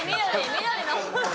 緑の。